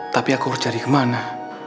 tapi aku harus cari kemana